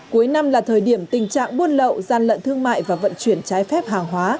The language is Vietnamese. cuối năm là thời điểm tình trạng buôn lậu gian lận thương mại và vận chuyển trái phép hàng hóa